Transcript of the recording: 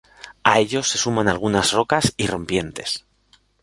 A ellos se suman algunas rocas y rompientes.